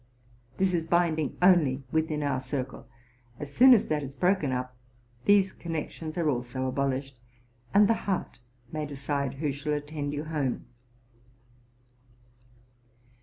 This is binding only within our circle ; as soon as that is broken up, these connections are also abolished, and the heart may decide who shall attend you home.